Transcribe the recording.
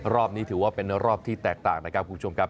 รอบนี้ถือว่าเป็นรอบที่แตกต่างนะครับคุณผู้ชมครับ